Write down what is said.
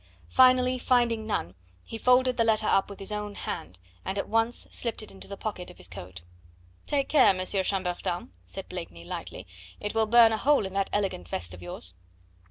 Finally, finding none, he folded the letter up with his own hand, and at once slipped it in the pocket of his coat. "Take care, M. Chambertin," said Blakeney lightly; "it will burn a hole in that elegant vest of yours."